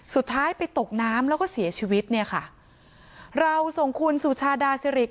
สุดท้ายไปตกน้ำแล้วก็เสียชีวิตเนี่ยค่ะเราส่งคุณสุชาดาสิริ